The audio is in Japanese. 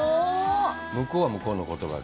向こうは向こうの言葉で。